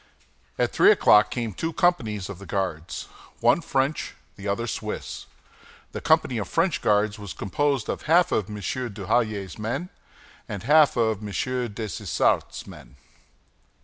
At three o'clock came two companies of the Guards, one French, the other Swiss. The company of French guards was composed of half of M. Duhallier's men and half of M. Dessessart's men.